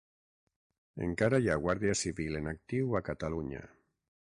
Encara hi ha Guàrdia Civil en actiu a Catalunya